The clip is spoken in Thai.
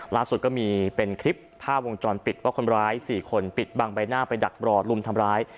ล่าสุดก็มีเป็นคลิปภาพวงจรปิดว่าคนร้าย๔คนปิดบังใบหน้าไปดักรอลุมทำร้าย